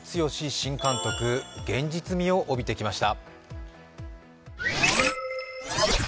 新監督、現実味を帯びてきました。